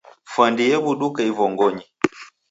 Fwandi yew'uduka ivongonyi